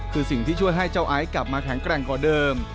คือสิ่งที่ช่วยให้เจ้าไอซ์กลับมาแข็งแกร่งกว่าเดิม